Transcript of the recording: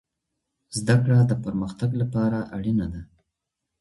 زده کړه د پرمختګ لپاره اړینه ده.